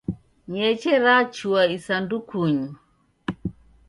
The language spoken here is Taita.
Ny'eche rachua isandukunyi.